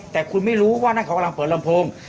แต่คุณไม่รู้ว่านั่นเขากำลังเปิดลำโพง